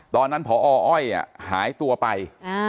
ตอนนั้นพออ้อยหายตัวไป